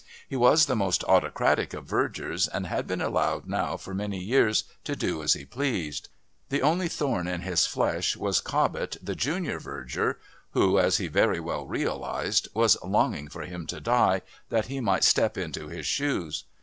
He was the most autocratic of Vergers and had been allowed now for many years to do as he pleased. The only thorn in his flesh was Cobbett, the junior Verger, who, as he very well realised, was longing for him to die, that he might step into his shoes.